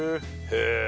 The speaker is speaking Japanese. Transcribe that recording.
へえ！